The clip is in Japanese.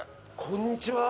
こんにちは